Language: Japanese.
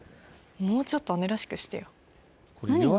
もうちょっと姉らしくしてよ何が？